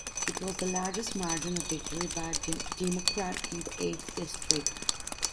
It was the largest margin of victory by a Democrat in the Eighth District.